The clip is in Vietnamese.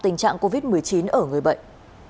tình trạng covid một mươi chín ở người bệnh